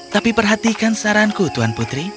tapi perhatikan saranku tuan putri